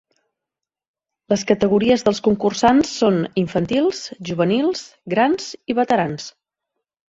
Les categories dels concursants són infantils, juvenils, grans i veterans.